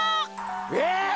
え！？